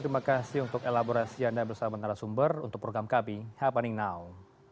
terima kasih untuk elaborasi anda bersama dengan arasumber untuk program kb happening now